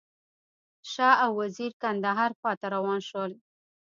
شاه او وزیر کندهار خواته روان شول.